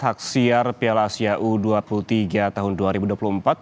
yang diperbolehkan oleh mnc group